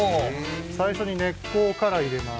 最初に根っこから入れます。